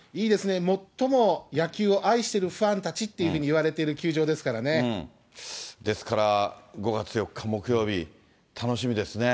いいですね、最も野球を愛してるファンたちっていうふうにいわれてる球場ですですから、５月４日木曜日、楽しみですね。